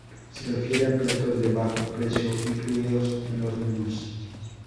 Se refiere a platos de bajo precio incluidos en los menús.